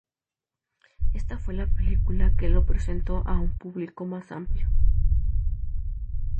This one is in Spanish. Ésta fue la película que lo presentó a un público más amplio.